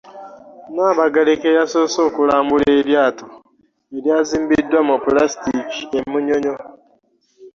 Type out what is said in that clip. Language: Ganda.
Nnaabagereka eyasoose okulambula eryato eryazimbiddwa mu pulasitiiki e Munyonyo.